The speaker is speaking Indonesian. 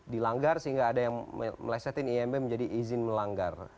dilanggar sehingga ada yang melesetin imb menjadi izin melanggar